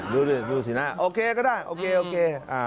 ดูดิดูสีหน้าโอเคก็ได้โอเคโอเค